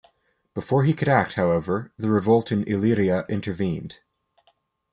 Before he could act, however, the revolt in Illyria intervened.